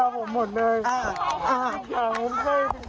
ครับ